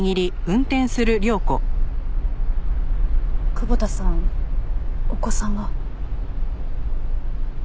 久保田さんお子さんは？